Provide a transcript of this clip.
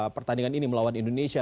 pertandingan ini melawan indonesia